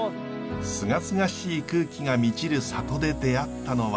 すがすがしい空気が満ちる里で出会ったのは。